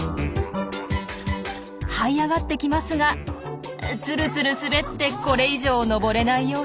はい上がってきますがつるつる滑ってこれ以上登れない様子。